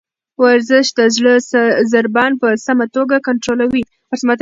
ورزش د زړه ضربان په سمه توګه کنټرولوي.